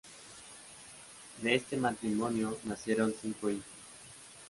De este matrimonio nacieron cinco hijos.